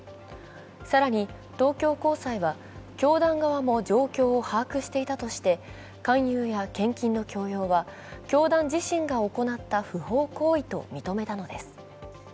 更に東京高裁は教団側も状況を把握していたとして勧誘や献金の強要は教団自身が行った不法行為と認めたのです。